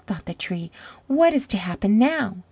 thought the Tree. "What is to happen now?"